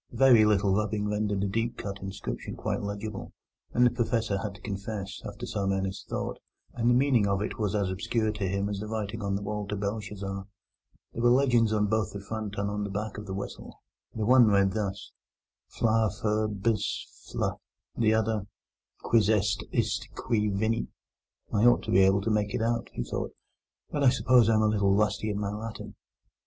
A very little rubbing rendered the deeply cut inscription quite legible, but the Professor had to confess, after some earnest thought, that the meaning of it was as obscure to him as the writing on the wall to Belshazzar. There were legends both on the front and on the back of the whistle. The one read thus: FLA FUR BIS FLE The other: QUIS EST ISTE QUI VENIT "I ought to be able to make it out," he thought; "but I suppose I am a little rusty in my Latin.